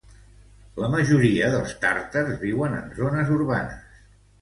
La majoria dels tàrtars viuen en zones urbanes.